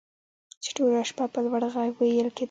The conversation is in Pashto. چې ټوله شپه په لوړ غږ ویل کیدل